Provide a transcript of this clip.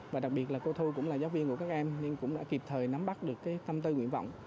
và đặc biệt là cô thu cũng là giáo viên của các em nhưng cũng đã kịp thời nắm bắt được cái tâm tư nguyện vọng